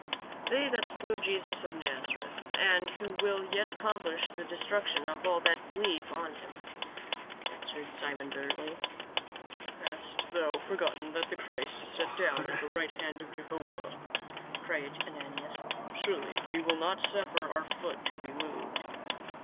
" They that slew Jesus of Nazareth, and who will yet accomplish the destruction of all that believe on him," answered Simon bitterly. " Hast thou forgotten that the Christ is set down at the right hand of Jehovah?" cried Ananias. "Surely he will not suffer our foot to be moved."